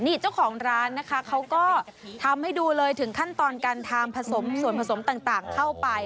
นี่เจ้าของร้านนะคะเขาก็ทำให้ดูเลยถึงขั้นตอนการทำผสมส่วนผสมต่างเข้าไป